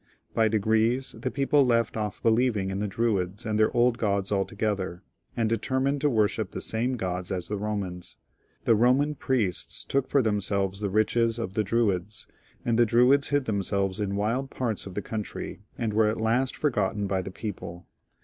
By degrees the people left off believing in the Druids and their old gods altogether, and determined to worship the III.] GAUL A ROMAN PROVINCE. 13 same gods as the Eomans; the Eoman priests took for themselves the riches of the Druids, and the Druids hid themselves in wild parts of the coimtry, and were at last forgotten by the people.